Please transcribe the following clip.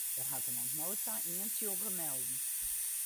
Der hat him oant no ta ien tsjûge melden.